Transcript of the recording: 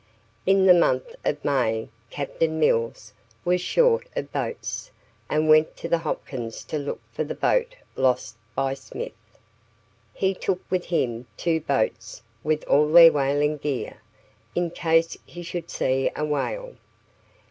In the month of May, Captain Mills was short of boats, and went to the Hopkins to look for the boat lost by Smith. He took with him two boats with all their whaling gear, in case he should see a whale.